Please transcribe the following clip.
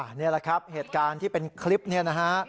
นี่แหละครับเหตุการณ์ที่เป็นคลิปนี้นะฮะ